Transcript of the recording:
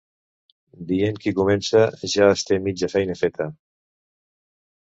"Dient qui comença, ja es té mitja feina feta".